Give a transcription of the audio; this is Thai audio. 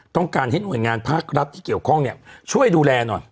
ต้องการให้หน่วยงานภาครัฐที่เกี่ยวข้องเนี่ยช่วยดูแลหน่อย